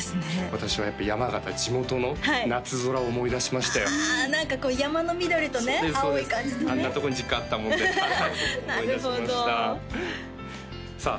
私は山形地元の夏空を思い出しましたよああ何かこう山の緑とね青い感じとねあんなとこに実家あったもんではい思い出しましたさあ